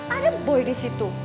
ada boy di situ